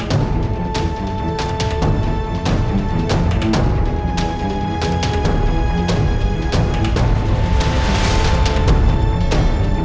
dewa temen aku